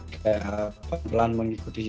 kayak apa pelan mengikuti